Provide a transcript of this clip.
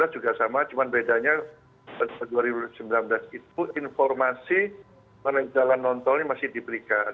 dua ribu sembilan belas juga sama cuman bedanya dua ribu sembilan belas itu informasi jalan non tol ini masih diberikan